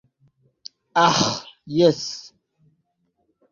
Aĥ jes.